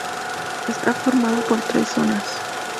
Está formado por tres zonas.